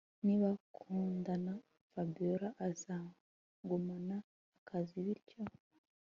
nibakundana Fabiora azagumana akazi bintyo